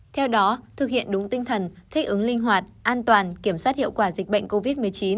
theo đó thực hiện đúng tinh thần thích ứng linh hoạt an toàn kiểm soát hiệu quả dịch bệnh covid một mươi chín